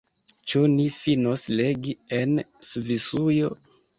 Ĉu ni finos legi „En Svisujo“?